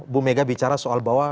bu mega bicara soal bahwa